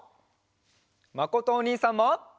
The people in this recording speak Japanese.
まことおにいさんも！